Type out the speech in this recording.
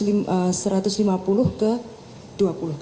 dan diperlukan oleh pemerintah